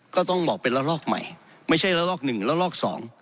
ก็ต้องบอกเป็นละลอกใหม่ไม่ใช่ละลอกหนึ่งแล้วลอกสอง